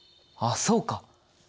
あっそうか！